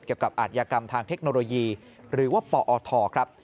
เกี่ยวกับอาจยกรรมทางเทคโนโลยีหรือว่าปอธครับ